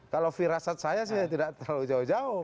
kalau firasat saya sih tidak terlalu jauh jauh